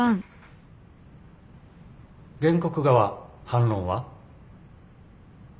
原告側反論は？